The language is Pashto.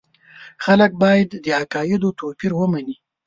خلک باید د عقایدو توپیر ومني.